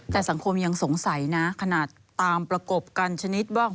แต่สังคมยังสงสัยนะขนาดตามประกบกันชนิดว่า